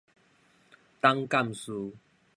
董監事